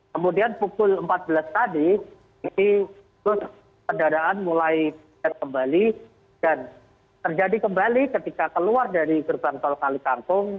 kemudian pukul empat belas tadi pendaraan mulai kembali dan terjadi kembali ketika keluar dari gerbang tol kali kangkung